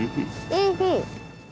おいしい。